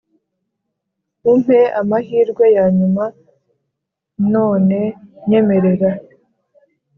umpe amahirwe ya nyuma, none nyemerera